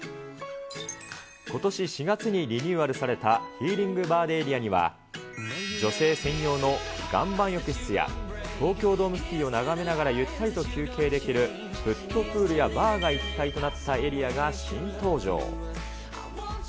ことし４月にリニューアルされたヒーリングバーデエリアには、女性専用の岩盤浴室や、東京ドームシティを眺めながらゆったりと休憩できるフットプールやバーが一体となったエリアが新登場。